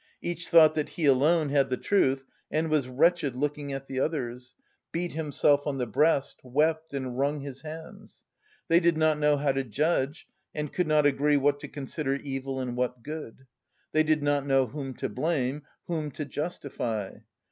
Each thought that he alone had the truth and was wretched looking at the others, beat himself on the breast, wept, and wrung his hands. They did not know how to judge and could not agree what to consider evil and what good; they did not know whom to blame, whom to justify.